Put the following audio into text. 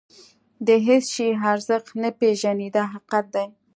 د هېڅ شي ارزښت نه پېژني دا حقیقت دی.